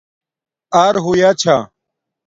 اَرہوئیا چھݳ